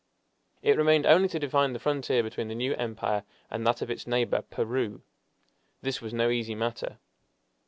It remained only to define the frontier between the new empire and that of its neighbor, Peru. This was no easy matter.